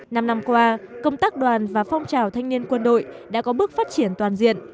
năm năm qua công tác đoàn và phong trào thanh niên quân đội đã có bước phát triển toàn diện